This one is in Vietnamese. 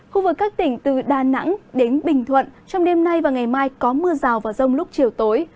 khu vực các tỉnh từ đà nẵng đến bình thuận trong đêm nay và ngày mai có mưa rào và rông lúc chiều tối